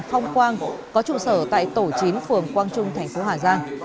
phong quang có trụ sở tại tổ chín phường quang trung thành phố hà giang